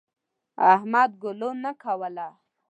احمد ګلو نه کوله.